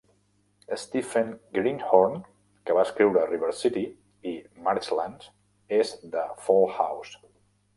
Stephen Greenhorn, que va escriure "River City" i "Marchlands" és de Fauldhouse.